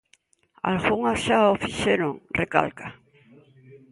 "Algunhas xa o fixeron", recalca.